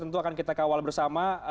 tentu akan kita kawal bersama